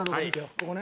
ここね。